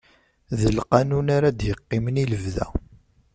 D lqanun ara d-iqqimen i lebda